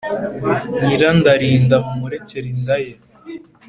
Nyirandarinda mumurekere inda ye